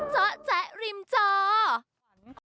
เจาะแจ๊ะริมเจาะ